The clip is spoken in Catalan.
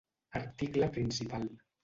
Article principal.